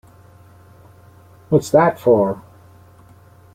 What's that for?